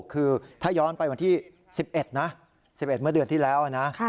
คือถ้าย้อนไปวันที่๑๑นะ๑๑เมื่อเดือนที่แล้วนะ